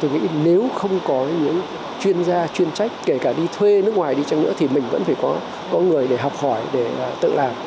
tôi nghĩ nếu không có những chuyên gia chuyên trách kể cả đi thuê nước ngoài đi chăng nữa thì mình vẫn phải có người để học hỏi để tự làm